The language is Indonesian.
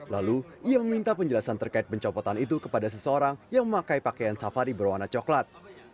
lalu ia meminta penjelasan terkait pencopotan itu kepada seseorang yang memakai pakaian safari berwarna coklat